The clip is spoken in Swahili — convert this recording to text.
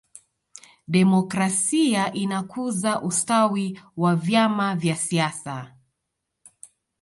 demokrasia inakuza ustawi wa vyama vya siasa